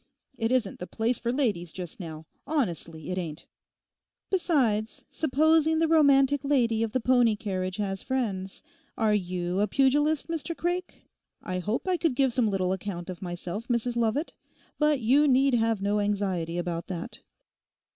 It isn't the place for ladies just now—honestly it ain't.' 'Besides, supposing the romantic lady of the pony carriage has friends? Are you a pugilist, Mr Craik?' 'I hope I could give some little account of myself, Mrs Lovat; but you need have no anxiety about that.